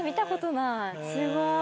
すごーい！